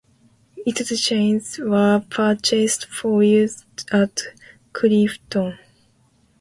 Its chains were purchased for use at Clifton.